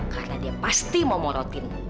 karena dia pasti mau morotin